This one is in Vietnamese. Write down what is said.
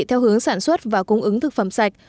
theo hướng sản xuất và cung ứng thực phẩm sạch